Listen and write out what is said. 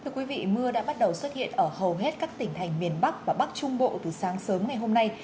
thưa quý vị mưa đã bắt đầu xuất hiện ở hầu hết các tỉnh thành miền bắc và bắc trung bộ từ sáng sớm ngày hôm nay